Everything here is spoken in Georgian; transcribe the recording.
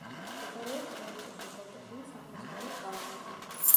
მდებარეობს ერწოს უღელტეხილის აღმოსავლეთ კალთაზე.